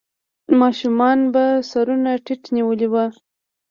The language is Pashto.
ماشومانو به سرونه ټيټ نيولې وو.